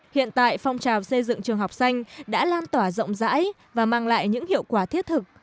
hiện tại phong trào xây dựng trường học xanh đã lan tỏa rộng rãi và mang lại những hiệu quả thiết thực